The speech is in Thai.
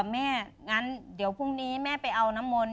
แม่งั้นเดี๋ยวพรุ่งนี้แม่ไปเอาน้ำมนต